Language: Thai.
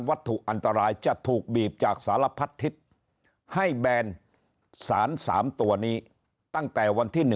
วัตถุอันตรายจะถูกบีบจากสารพัฒนธิษฐ์ให้แบรนด์สารสามตัวนี้ตั้งแต่วันที่